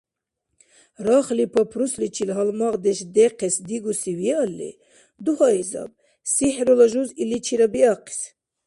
Рахли папрусличил гьалмагъдеш дехъес дигуси виалли, дугьаизаб: «сихӀрула» жуз иличира биахъис.